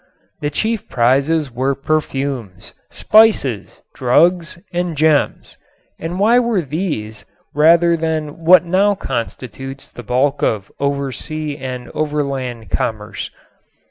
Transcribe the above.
The chief prizes were perfumes, spices, drugs and gems. And why these rather than what now constitutes the bulk of oversea and overland commerce?